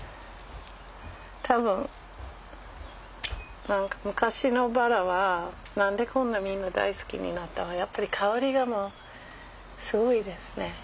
多分何か昔のバラは何でこんなみんな大好きになったかやっぱり香りがもうすごいですね